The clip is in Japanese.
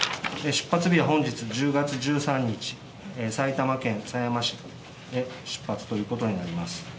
出発日は本日１０月１３日、埼玉県狭山市出発ということになります。